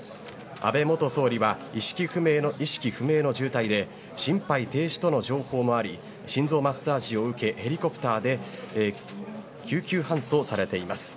安倍元総理は意識不明の重体で心肺停止との情報もあり心臓マッサージを受けヘリコプターで救急搬送されています。